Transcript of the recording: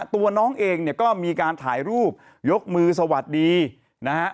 ตัวน้องเองเนี่ยก็มีการถ่ายรูปยกมือสวัสดีนะฮะ